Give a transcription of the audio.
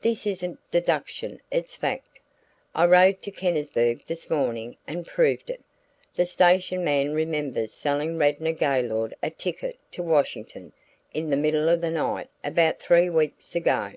This isn't deduction; it's fact. I rode to Kennisburg this morning and proved it. The station man remembers selling Radnor Gaylord a ticket to Washington in the middle of the night about three weeks ago.